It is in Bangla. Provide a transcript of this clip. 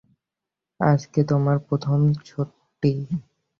আজকে তোমার প্রথম সর্টি।